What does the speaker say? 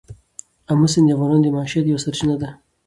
آمو سیند د افغانانو د معیشت یوه سرچینه ده.